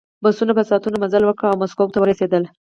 بسونو په ساعتونو مزل وکړ او مسکو ته ورسېدل